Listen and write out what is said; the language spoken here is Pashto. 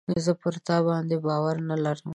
زه پر تا باندي باور نه لرم .